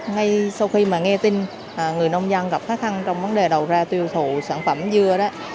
ngay sau khi mà nghe tin người nông dân gặp khó khăn trong vấn đề đầu ra tiêu thụ sản phẩm dưa đó